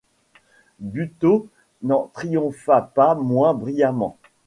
Buteau n’en triompha pas moins bruyamment.